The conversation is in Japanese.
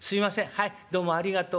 はいどうもありがとう。